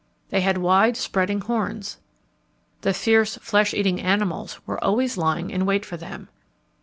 They had wide spreading horns. The fierce flesh eating animals were always lying in wait for them.